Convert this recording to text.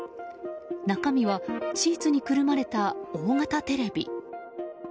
中身は、シーツにくるまれた大型テレビ。